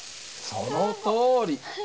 そのとおり。